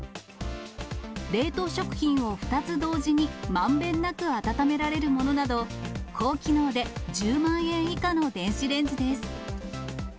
冷凍食品を２つ同時にまんべんなく温められるものなど、高機能で１０万円以下の電子レンジです。